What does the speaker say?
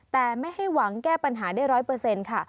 แต่ไม่ให้หวังแก้ปัญหานานได้ร้อยเปอร์เซ็นต์ค่ะ